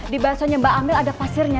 di basonya mbak amel ada pasirnya